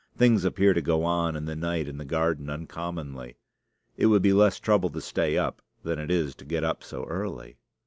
Things appear to go on in the night in the garden uncommonly. It would be less trouble to stay up than it is to get up so early.